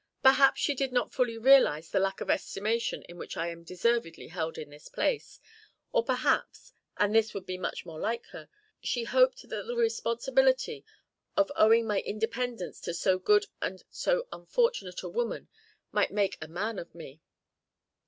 Perhaps she did not fully realise the lack of estimation in which I am deservedly held in this place, or perhaps, and this would be much more like her, she hoped that the responsibility of owing my independence to so good and so unfortunate a woman might make a man of me."